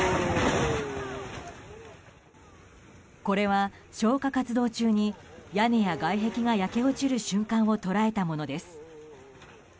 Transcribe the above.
これは消火活動中に屋根や外壁が焼け落ちる瞬間を捉えたものです。